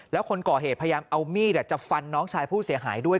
แล้วคนก่อเหตุพยายามเอามีดจะฟันน้องชายผู้เสียหายด้วย